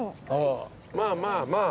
まあまあまあ。